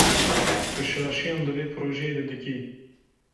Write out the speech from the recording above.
Tu şaşiyan di vê projeyê de dikî.